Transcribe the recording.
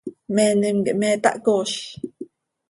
¿Meenim quih me tahcooz?